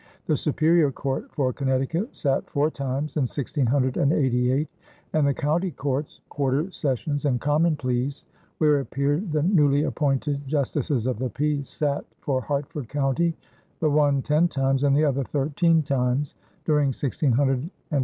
The superior court for Connecticut sat four times in 1688 and the county courts, quarter sessions and common pleas, where appeared the newly appointed justices of the peace, sat for Hartford County, the one ten times and the other thirteen times during 1688 and 1689.